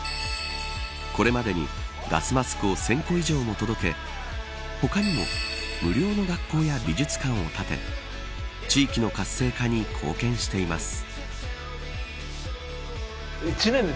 これまでに、ガスマスクを１０００個以上も届け他にも無料の学校や美術館を建て地域の活性化に貢献しています。